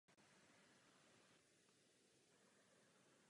Po válce byla dráha snesena.